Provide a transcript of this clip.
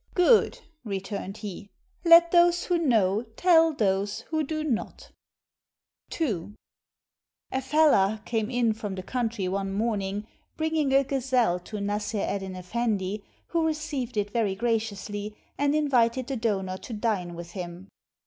"Good!" returned he. "Let those who know tell those who do not." 534 WIT FROM ARABIA II k fellah came in from the country one morning, bring ing a gazelle to Nassr Eddyn ESendi, who received it very graciously, and invited the donor to dine with him.